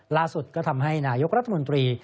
ล่าสุดก็ทำให้นายกรัฐมนตรี